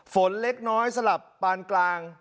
ฝนเล็กน้อยสลับปานกลาง